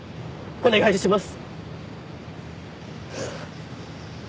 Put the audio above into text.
お願いします！